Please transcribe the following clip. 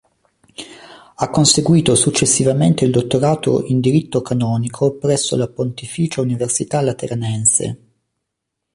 Ha conseguito successivamente il dottorato in diritto canonico presso la Pontificia Università Lateranense.